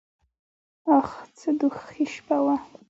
اخ څه دوږخي شپه وه .